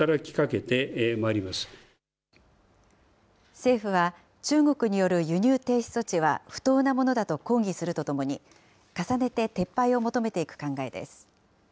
政府は中国による輸入停止措置は不当なものだと抗議するとともに、重ねて撤廃を求めていく考えです。